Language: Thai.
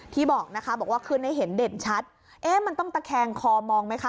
ที่บอกนะคะบอกว่าขึ้นให้เห็นเด่นชัดเอ๊ะมันต้องตะแคงคอมองไหมคะ